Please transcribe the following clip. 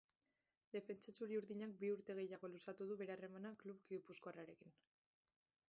Defentsa txuri-urdinak bi urte gehiago luzatu du bere harremana klub gipuzkoarrarekin.